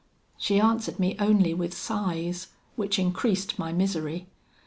She answered me only with sighs, which increased my misery.